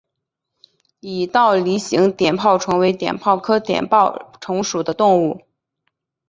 似倒梨形碘泡虫为碘泡科碘泡虫属的动物。